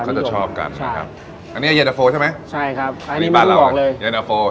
เขาจะชอบกันใช่ครับอันนี้ใช่ครับอันนี้ไม่ต้องบอกเลย